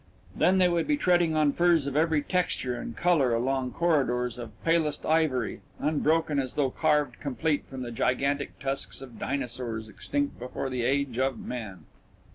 Then they would be treading on furs of every texture and colour or along corridors of palest ivory, unbroken as though carved complete from the gigantic tusks of dinosaurs extinct before the age of man